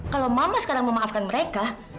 kalau mama sekarang memaafkan mereka